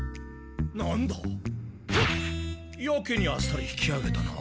やけにあっさり引きあげたな。